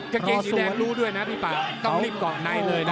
กางเกงสีแดงรู้ด้วยนะพี่ป่าต้องรีบเกาะในเลยนะ